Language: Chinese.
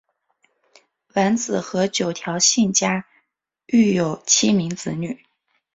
完子和九条幸家育有七名子女。